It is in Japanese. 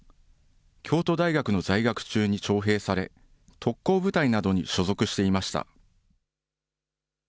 京都大学の在学中に徴兵され、特攻部隊などに所属していました。